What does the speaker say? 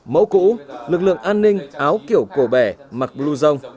mẫu cũ lực lượng an ninh áo kiểu cổ bẻ mặc blue dông